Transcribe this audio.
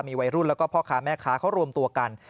วัยรุ่นแล้วก็พ่อค้าแม่ค้าเขารวมตัวกัน